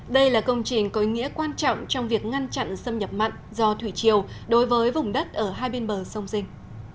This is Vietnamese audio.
đây là công trình có ý nghĩa quan trọng trong việc ngăn chặn xâm nhập mặn do thủy triều đối với vùng đất ở hai bên bờ sông rình